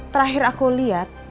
terakhir aku lihat